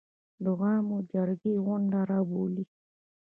د عوامو جرګې غونډه راوبولي.